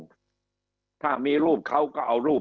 คำอภิปรายของสอสอพักเก้าไกลคนหนึ่ง